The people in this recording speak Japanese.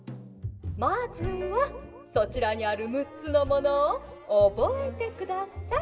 「まずはそちらにある６つのものをおぼえてください。